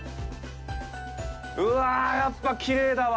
うわぁ、やっぱきれいだわ！